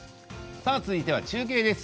続いては中継です。